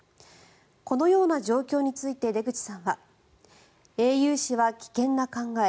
このような状況について出口さんは英雄視は危険な考え